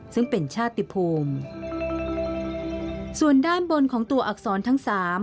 ซึ่งเป็นชาติติภูมิส่วนด้านบนของตัวอักษรทั้งสาม